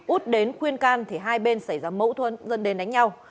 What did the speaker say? út đến khuyên can thì hai bên xảy ra mẫu thuân dân đền đánh nhau